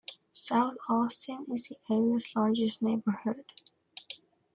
South Austin is the area's largest neighborhood.